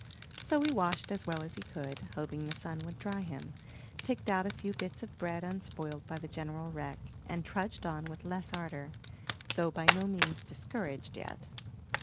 So he washed as well as he could, hoping the sun would dry him, picked out a few bits of bread unspoiled by the general wreck, and trudged on with less ardor, though by no means discouraged yet.